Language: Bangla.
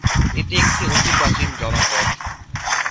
এটি একটি অতি প্রাচীন জনপদ।